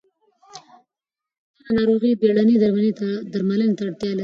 دغه ناروغي بېړنۍ درملنې ته اړتیا لري.